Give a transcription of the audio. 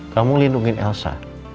kamu lindungin elsa